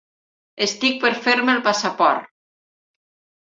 Estic per fer-me el passaport.